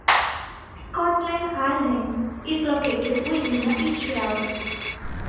Scotland Island is located within the estuary.